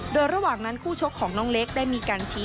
โดยระหว่างนั้นคู่ชกของน้องเล็กได้มีการชี้